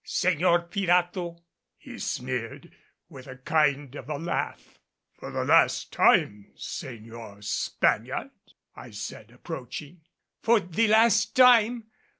Señor Pirato," he sneered, with a kind of a laugh. "For the last time, Señor Spaniard!" I said approaching. "For the last time?